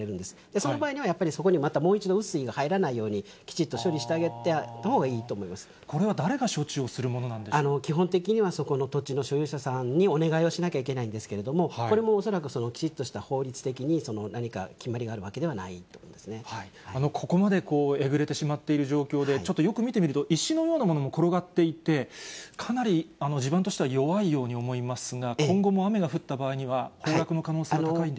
その場合には、やっぱりそこにもう一度、そこに雨水が入らないようにきちっと処理してあげたほうがいいとこれは誰が処置をするものな基本的には、そこの土地の所有者さんにお願いをしなければいけないんですけれども、これも恐らくきちっとした法律的に何か決まりがあるわけではないここまでえぐれてしまっている状況で、ちょっとよく見てみると、石のようなものも転がっていて、かなり地盤としては弱いように思いますが、今後も雨が降った場合には、崩落の可能性高いんでしょうか？